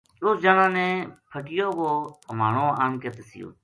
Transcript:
اُس جنا نے پھٹیو بو ہوانو آن کے دسیو